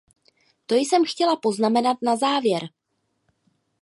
To jsem chtěla poznamenat na závěr.